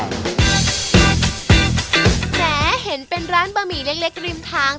แหมเห็นเป็นร้านบะหมี่เล็กริมทาง